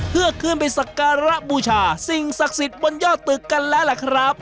เพื่อขึ้นไปสักการะบูชาสิ่งศักดิ์สิทธิ์บนยอดตึกกันแล้วล่ะครับ